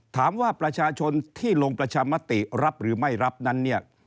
ถามว่าประชาชนที่ลงประชามติรับหรือไม่รับนั้นเนี่ย